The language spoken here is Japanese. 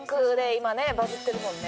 今バズってるもんね。